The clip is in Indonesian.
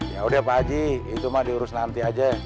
yaudah pak haji itu mah diurus nanti aja